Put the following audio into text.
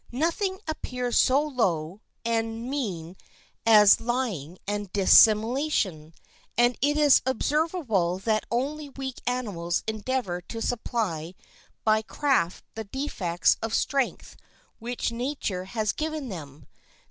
Nothing appears so low and mean as lying and dissimulation; and it is observable that only weak animals endeavor to supply by craft the defects of strength which nature has given them.